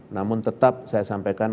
namun tetap saya sampaikan